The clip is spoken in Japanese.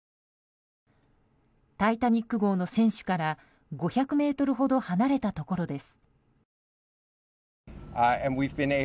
「タイタニック号」の船首から５００ｍほど離れたところです。